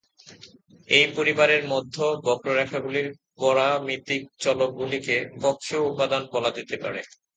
এই পরিবারের মধ্যে বক্ররেখাগুলির পরামিতিক চলকগুলিকে " কক্ষীয় উপাদান" বলা যেতে পারে।